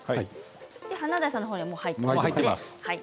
華大さんのほうにはもう入っています。